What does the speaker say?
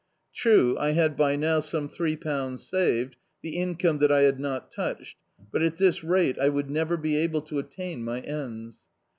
True I had by now some three pounds saved, the income that I had not touched, but at this rate, I would never be able to attain my ends.